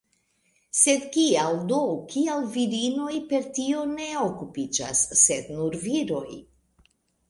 Sed kial do, kial virinoj per tio ne okupiĝas, sed nur viroj?